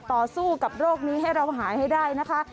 ต่อสู้กับโรคนี้ให้เราหายให้ได้นะคะ